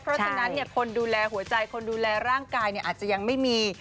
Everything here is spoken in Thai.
เพราะฉะนั้นคนดูแลหัวใจคนดูแลร่างกายอาจจะยังไม่มี